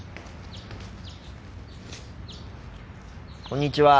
こんにちは。